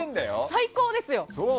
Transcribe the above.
最高ですよ！